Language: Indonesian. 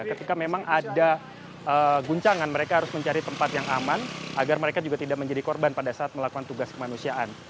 ketika memang ada guncangan mereka harus mencari tempat yang aman agar mereka juga tidak menjadi korban pada saat melakukan tugas kemanusiaan